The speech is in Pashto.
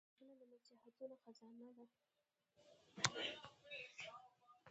غوږونه د نصیحتونو خزانه ده